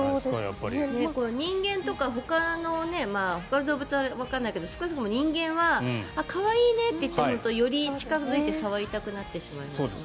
人間とかほかの動物はわからないけど少なくとも人間はあっ、可愛いねってより近付いて触りたくなってしまいますよね。